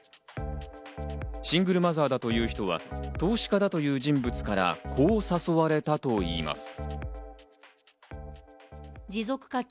シングルマザーだという人は投資家だという人物から、こう誘われたといいます。